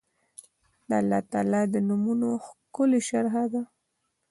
دا د الله تعالی د نومونو ښکلي شرح ده